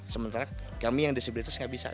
sementara kami yang disabilitas nggak bisa